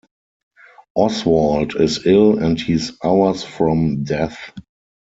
Oswald is ill and he's hours from death.